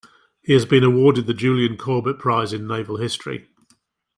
He has been awarded the Julian Corbett Prize in Naval History.